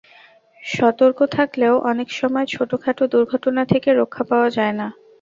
সতর্ক থাকলেও অনেক সময় ছোটখাটো দুর্ঘটনা থেকে রক্ষা পাওয়া যায় না।